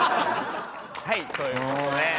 はいということで。